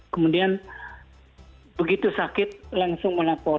kemudian begitu sakit langsung melapor